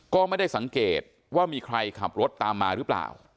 ก็ไม่ได้สังเกตว่ามีใครขับรถตามมาหรือเปล่า